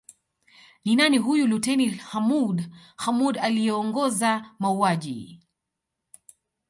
Ni nani huyu Luteni Hamoud Hamoud aliyeongoza mauaji